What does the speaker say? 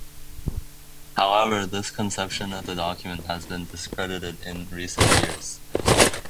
However, this conception of the document has been discredited in recent years.